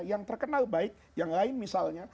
yang terkenal baik yang lain misalnya